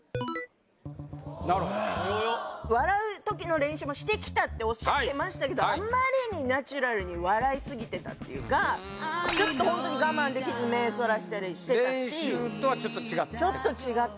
なるほど笑う時の練習もしてきたっておっしゃってましたけどあまりにナチュラルに笑いすぎてたっていうかちょっとホントに我慢できず目そらしたりしてたし練習とはちょっと違ってた？